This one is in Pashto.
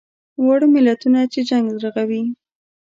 واړه ملتونه چې جنګ رغوي.